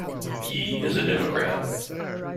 Yee is a Democrat.